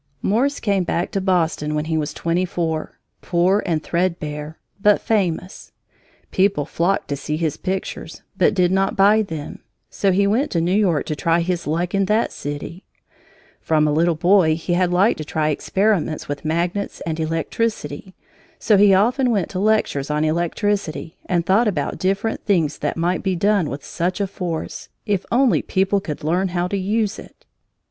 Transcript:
Morse came back to Boston when he was twenty four, poor and threadbare, but famous. People flocked to see his pictures but did not buy them. So he went to New York to try his luck in that city. From a little boy he had liked to try experiments with magnets and electricity, so he often went to lectures on electricity and thought about different things that might be done with such a force, if only people could learn how to use it.